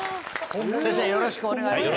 先生よろしくお願いいたします。